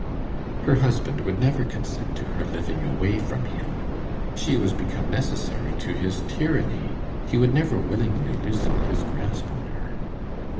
Her husband would never consent to her living away from him: she was become necessary to his tyranny; he would never willingly loosen his grasp on her.